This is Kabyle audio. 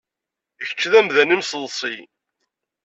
Kečč d amdan imseḍṣi.